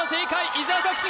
伊沢拓司